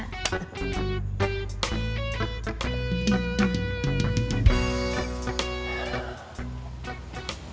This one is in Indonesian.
ya makasih mak